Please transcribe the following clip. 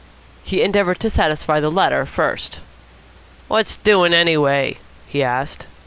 He endeavoured to satisfy the latter first. "What's doing, anyway?" he asked.